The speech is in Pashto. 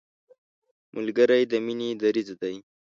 ملګری د مینې دریځ دی